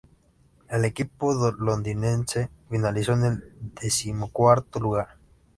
El equipo londinense finalizó en el decimocuarto lugar.